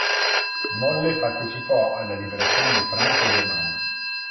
Molle partecipò alla liberazione di Francia e Germania.